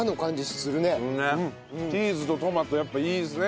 チーズとトマトやっぱいいですね。